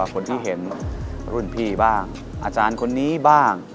คนที่เห็นรุ่นพี่บ้างอาจารย์คนนี้บ้าง